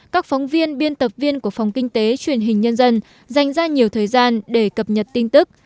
các phóng viên biên tập viên của phòng kinh tế truyền hình nhân dân dành ra nhiều thời gian để cập nhật tin tức